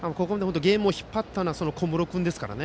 ゲームを引っ張ったのは小室君ですからね。